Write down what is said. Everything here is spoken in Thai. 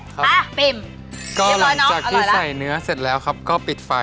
แล้วหลังจากที่ใส่เนื้อเสร็จแล้วก็ปิดไฟ